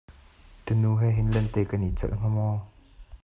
Tunu he hin lente kan i calh hnga maw?